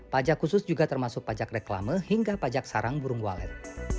pajak khusus juga termasuk pajak reklame hingga pajak sarang burung walet